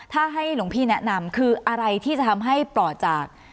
ถ้าให้หลวงพี่แนะนำคืออะไรที่จะทำให้ปลอดจาก